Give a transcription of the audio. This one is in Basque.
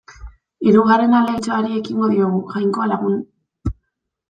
Hirugarren ahalegintxoari ekingo diogu, Jainkoa lagun.